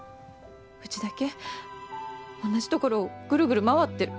うちだけ同じ所をぐるぐる回ってる。